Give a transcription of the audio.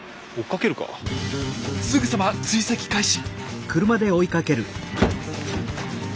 すぐさま追跡開始。